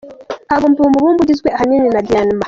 Havumbuwe umubumbe ugizwe ahanini na diyama